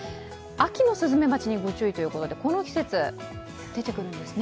秋のスズメバチに御注意ということでこの季節、出てくるんですね。